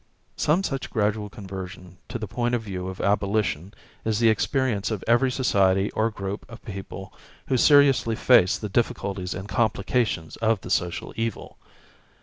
Some such gradual conversion to the point of view of abolition is the experience of every society or group of people who seriously face the difficulties and complications of the social evil.